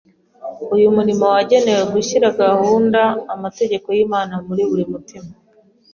Uyu murimo wagenewe gushyira gukunda amategeko y’Imana muri buri mutima